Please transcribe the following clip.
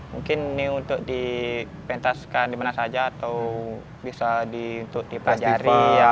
mungkin ini untuk di pentas kandimanas saja atau bisa untuk diprajari ya